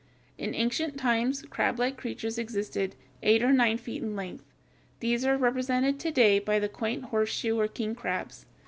] In ancient times crablike creatures existed, eight or nine feet in length. These are represented to day by the quaint horseshoe or king crabs (Fig.